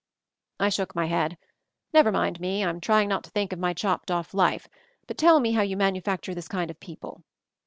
I shook my head. "Never mind me, I'm trying not to think of my chopped off life; but tell me how you manufacture this kind of people."